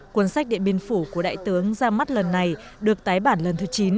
cuốn sách điện biên phủ của đại tướng ra mắt lần này được tái bản lần thứ chín